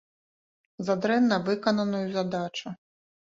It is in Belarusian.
За дрэнна выкананую задачу.